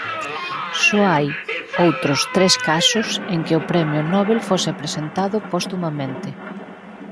Só hai outros tres casos en que o premio Nobel fose presentado postumamente.